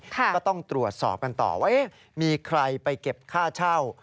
ก็ต้องตรวจสอบกันต่อว่ามีใครไปเก็บค่าเช่า